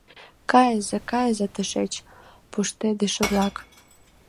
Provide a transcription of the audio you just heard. — Кайыза, кайыза тышеч, пуштедыше-влак!